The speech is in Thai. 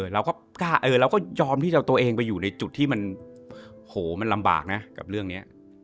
เราก็ยอมที่จะเอาตัวเองไปอยู่ในจุดที่มันโหมันลำบากนะกับเรื่องนี้